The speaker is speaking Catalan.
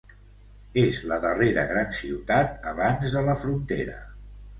És la darrera gran ciutat abans de la frontera.